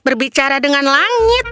berbicara dengan langit